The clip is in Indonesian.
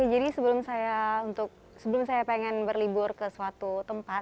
jadi sebelum saya pengen berlibur ke suatu tempat